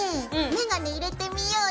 メガネ入れてみようよ！